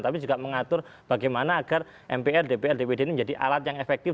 tapi juga mengatur bagaimana agar mpr dpr dpd ini menjadi alat yang efektif